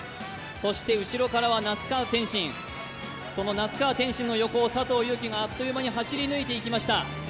そして、後ろからは那須川天心、佐藤悠基があっという間に走り抜いていきました。